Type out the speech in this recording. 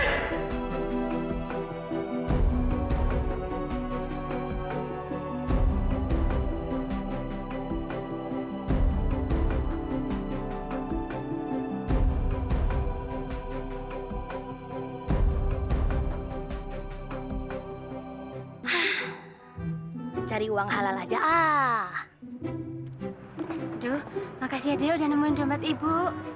hai ah cari uang halal aja ah tuh makasih ya udah nemuin dompet ibu